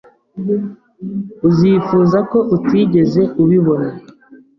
Uzifuza ko utigeze ubibona.